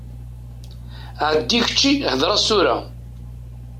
Ɛeddi kečči hḍeṛ-as tura.